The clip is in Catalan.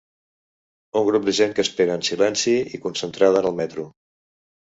Un grup de gent que espera en silenci i concentrada en el metro.